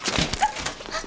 あっ。